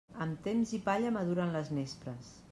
Amb temps i palla maduren les nespres.